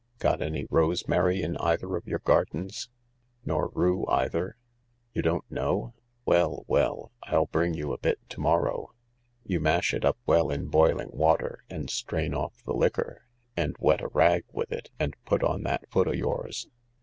Got any rosemary in either of your gardens ? Nor rue either ? You don't know ? Well, well I I'll bring you a bit to morrow. You mash it up well in boiling water, and strain off the liquor, and wet a rag with it and put on that foot o' yours.